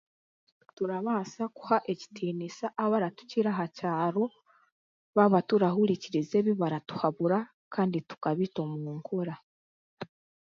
Turabaasa kuha ekitiinisa abaratukira aha kyaro, twaba turahurikiriza ebi baratuhabura kandi tukabira omu nkora.